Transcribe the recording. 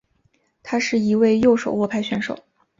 他是一位右手握拍选手。